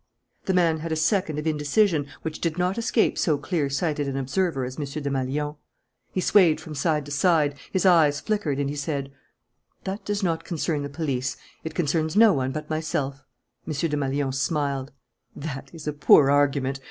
The man had a second of indecision which did not escape so clear sighted an observer as M. Desmalions. He swayed from side to side, his eyes flickered and he said: "That does not concern the police; it concerns no one but myself." M. Desmalions smiled: "That is a poor argument.